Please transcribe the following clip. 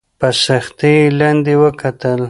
په سختۍ یې لاندي وکتل !